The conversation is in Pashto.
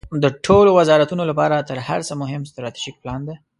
د ټولو وزارتونو لپاره تر هر څه مهم استراتیژیک پلان ده.